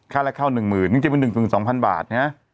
ค่าและเข้าหนึ่งหมื่นจิบหวันหนึ่งจึง๒๐๐๐บาท